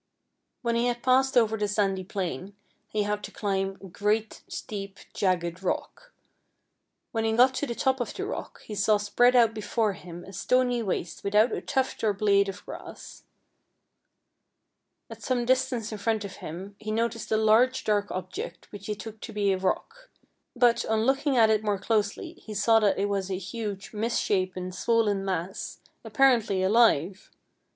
When he had passed over the sandy plain, he had to climb a great steep, jagged rock. When he got to the top of the rock he saw spread out be fore him a stony waste without a tuft or blade of grass. At some distance in front of him he no ticed a large dark object, which he took to be a rock, but on looking at it more closely he saw that it was a huge, misshapen, swollen mass, appar ently alive.